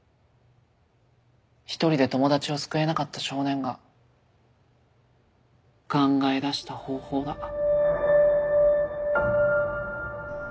一人で友達を救えなかった少年が考え出した方法だ。